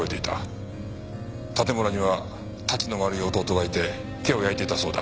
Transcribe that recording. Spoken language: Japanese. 盾村にはタチの悪い弟がいて手を焼いていたそうだ。